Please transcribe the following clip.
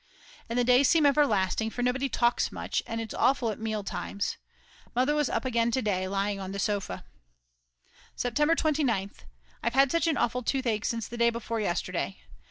And the days seem everlasting, for nobody talks much, and it's awful at mealtimes. Mother was up again to day, lying on the sofa. September 29th. I've had such an awful toothache since the day before yesterday.